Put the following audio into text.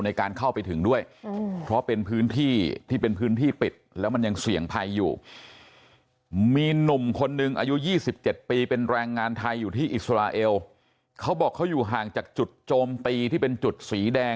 ในการเข้าไปถึงด้วยฮืมเพราะเป็นพื้นที่ที่เป็นพื้นที่ปิด